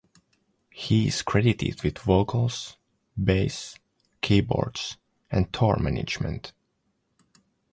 He is credited with vocals, bass, keyboards and tour management.